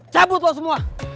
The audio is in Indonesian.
cabut lu semua